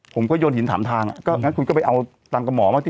ผมก็โยนหินถามทางอ่ะก็งั้นคุณก็ไปเอาตังค์กับหมอมาสิ